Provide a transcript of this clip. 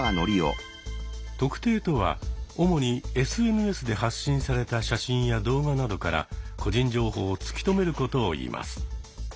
「特定」とは主にＳＮＳで発信された写真や動画などから個人情報を突き止めることをいいます。